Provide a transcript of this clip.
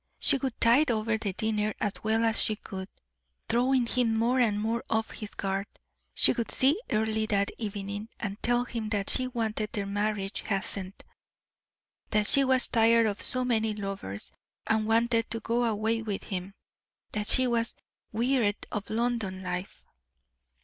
She would tide over the dinner as well as she could, throwing him more and more off his guard. She would see Earle that evening, and tell him that she wanted their marriage hastened; that she was tired of so many lovers, and wanted to go away with him; that she was wearied of London life.